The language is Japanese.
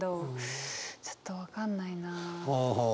ちょっと分かんないな。